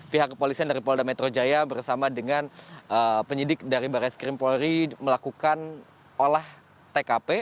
pihak kepolisian dari polda metro jaya bersama dengan penyidik dari baris krim polri melakukan olah tkp